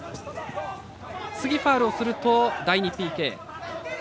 次ファウルをすると第２ＰＫ。